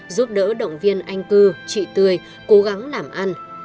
giúp đỡ động viên anh cư chị tươi cố gắng làm ăn